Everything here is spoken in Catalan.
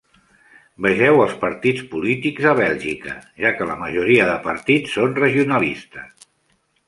Vegeu els partits polítics a Bèlgica, ja que la majoria de partits són regionalistes.